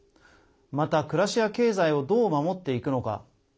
また、暮らしや経済をどう守っていくのか。